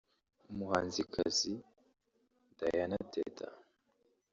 umuhanzikazi Diana Teta